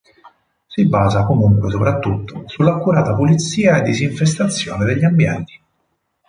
Si basa comunque soprattutto sull'accurata pulizia e disinfestazione degli ambienti.